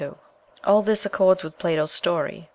All this accords with Plato's story.